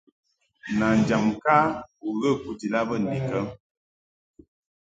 Nanjam ŋka u ghə kujid a bə ndikə ?